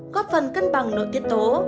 góp phần cân bằng nội tiết tố